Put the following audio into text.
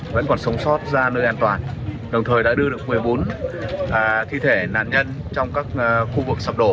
vẫn còn sống sót ra nơi an toàn đồng thời đã đưa được một mươi bốn thi thể nạn nhân trong các khu vực sập đổ